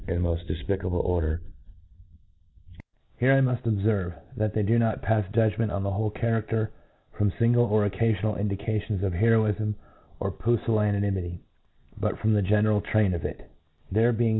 and moft defpica ble order* Here I muft obferve, that they da not pafs judgment on the whole charader from finglc or occafional indications of heroifm or pu fillanimity, but from the general train of it j there being